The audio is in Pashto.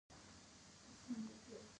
چین د نړۍ تر ټولو ډېر صادرات لري.